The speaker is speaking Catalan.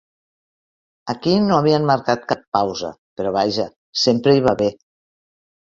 Aquí no havíem marcat cap pausa, però vaja, sempre hi va bé.